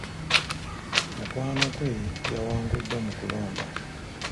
Mukwano gwe yawanguddwa mu kulonda.